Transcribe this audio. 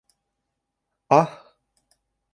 — Аһ!